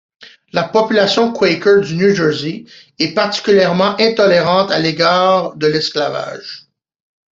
La population quaker du New Jersey est particulièrement intolérante à l'égard de l'esclavage.